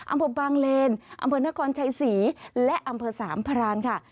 อำเภอบางเลนอำเภอนครชัยศรีและอำเภอสามพรานค่ะ